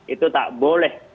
itu tak boleh